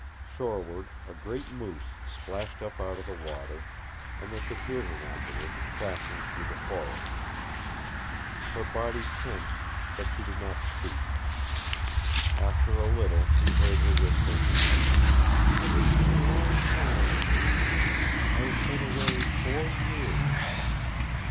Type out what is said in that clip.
Shoreward a great moose splashed up out of the water, and they could hear him afterward, crashing through the forest. Her body tensed, but she did not speak. After a little he heard her whisper, "It has been a long time, Jeems. I have been away four years."